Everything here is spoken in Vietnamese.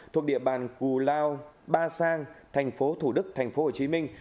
thuộc địa bàn cù lao ba sang tp thủ đức tp hồ chí minh